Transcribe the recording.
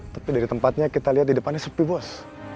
tapi dari tempatnya kita lihat di depannya sepi bos